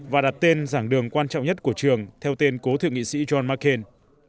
và đặt tên giảng đường quan trọng nhất của trường theo tên cố thượng nghị sĩ john mccain